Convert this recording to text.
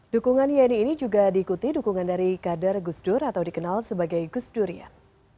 dukungan yeni ini juga diikuti dukungan dari kader gus dur atau dikenal sebagai gus durian